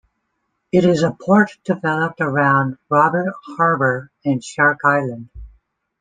It is a port developed around Robert Harbour and Shark Island.